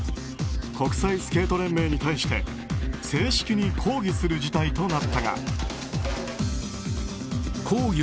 国際スケート連盟に対して正式に抗議する事態となったが。